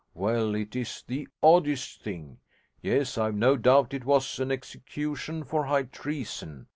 Well, it is the oddest thing! Yes; I've no doubt it was an execution for high treason.